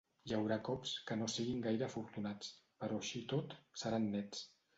Hi haurà cops que no siguin gaire afortunats, però així i tot seran nets.